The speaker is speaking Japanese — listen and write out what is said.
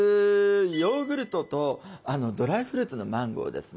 ヨーグルトとドライフルーツのマンゴーですね。